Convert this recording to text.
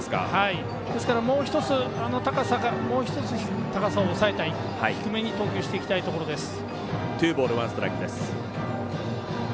ですから、もう一つ高さを抑えたい、低めに投球していきたいところです。